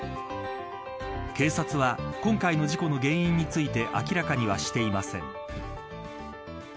警察は今回の事故の原因について明らかにはしていません。